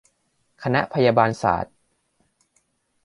คณะพยาบาลศาสตร์